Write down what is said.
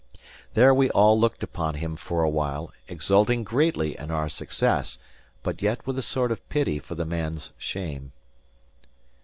There we all looked upon him for a while, exulting greatly in our success, but yet with a sort of pity for the man's shame.